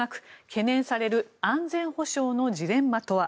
懸念される安全保障のジレンマとは。